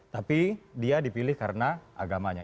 tapi dia dipilih karena agamanya